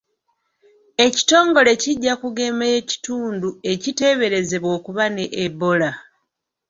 Ekitongole kijja kugema ekitundu ekiteeberezebwa okuba ne Ebola.